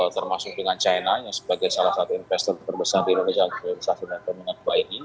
termasuk dengan china yang sebagai salah satu investor terbesar di indonesia